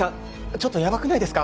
ちょっとヤバくないですか？